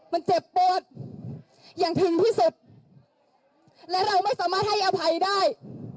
มันเจ็บปวดอย่างถึงที่สุดและเราไม่สามารถให้อภัยได้